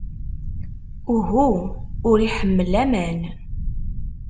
Uhu. Ur iḥemmel aman!